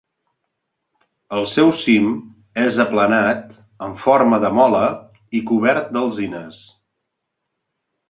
El seu cim és aplanat, en forma de Mola, i cobert d'alzines.